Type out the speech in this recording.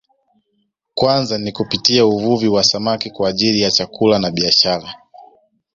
Kwanza ni kupitia uvuvi wa samaki kwa ajili ya chakula na biashara